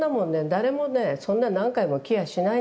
誰もねそんな何回も来やしないんだ。